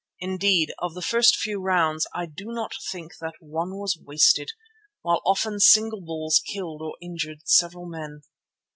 Indeed, of the first few rounds I do not think that one was wasted, while often single balls killed or injured several men.